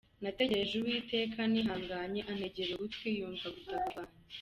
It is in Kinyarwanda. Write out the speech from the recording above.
Nategereje Uwiteka nihanganye, Antegera ugutwi yumva gutaka kwanjye.